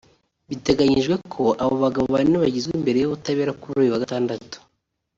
Biteganyijwe ko abo bagabo bane bagezwa imbere y’ubutabera kuri uyu wa gatandatu